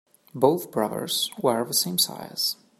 Both brothers wear the same size.